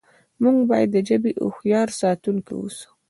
موږ باید د ژبې هوښیار ساتونکي اوسو.